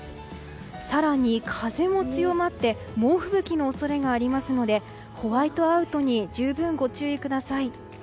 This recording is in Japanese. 更に風も強まって猛吹雪の恐れがありますのでホワイトアウトに十分ご注意ください。